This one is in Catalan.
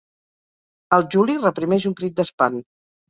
El Juli reprimeix un crit d'espant.